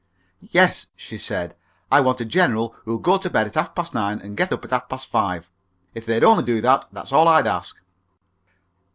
"Yes," she said; "I want a general who'll go to bed at half past nine and get up at half past five. If they'd only do that, that's all I ask."